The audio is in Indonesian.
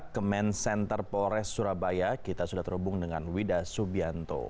kemen center polres surabaya kita sudah terhubung dengan wida subianto